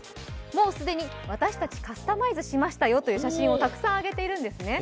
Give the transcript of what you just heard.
もう既に私たち、カスタマイズしましたという写真をたくさん上げているんです。